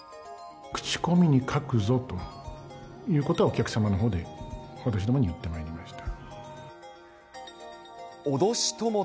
口コミに書くぞということは、お客様のほうで私どもに言ってまいりました。